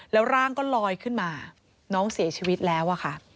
แล้วร่างก็ลอยขึ้นมาน้องเสียชีวิตแล้วอะค่ะ